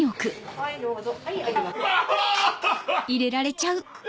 はいどうぞ。